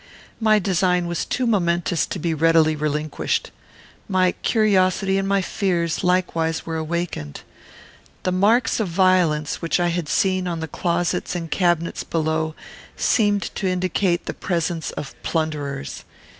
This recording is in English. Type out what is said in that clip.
My design was too momentous to be readily relinquished. My curiosity and my fears likewise were awakened. The marks of violence, which I had seen on the closets and cabinets below, seemed to indicate the presence of plunderers.